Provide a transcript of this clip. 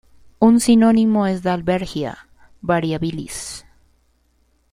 Un sinónimo es "Dalbergia variabilis".